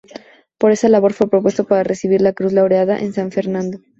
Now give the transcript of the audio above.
Por esa labor fue propuesto para recibir la Cruz Laureada de San Fernando.